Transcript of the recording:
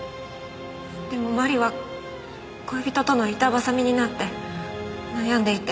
でも麻里は恋人との板挟みになって悩んでいて。